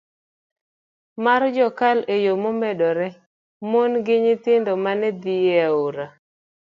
mar jokal e yo nomedore, mon gi nyithindo mane dhi e aora